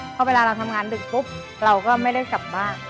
เพราะเวลาเราทำงานดึกปุ๊บเราก็ไม่ได้กลับบ้าน